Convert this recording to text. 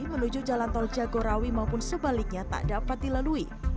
menuju jalan tol jagorawi maupun sebaliknya tak dapat dilalui